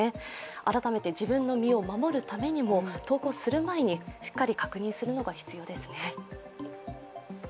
改めて自分の身を守るためにも投稿する前にしっかり確認することが必要ですね。